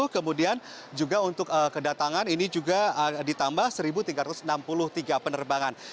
kemudian juga untuk kedatangan ini juga ditambah satu tiga ratus enam puluh tiga penerbangan